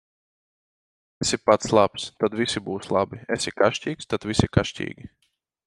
Esi pats labs, tad visi būs labi; esi kašķīgs, tad visi kašķīgi.